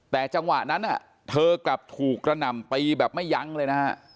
แต่จังหวะนั้นเธอกลับถูกกระหน่ำตีแบบไม่ยั้งเลยนะฮะ